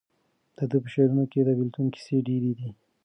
د ده په شعرونو کې د بېلتون کیسې ډېرې دي.